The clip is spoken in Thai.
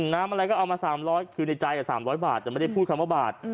น้ำอะไรก็เอามา๓๐๐คือในใจ๓๐๐บาทแต่ไม่ได้พูดคำว่าบาท